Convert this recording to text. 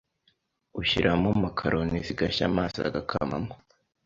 ushyiramo macaroni zigashya amazi agakamamo